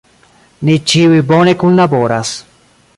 Ni ĉiuj bone kunlaboras.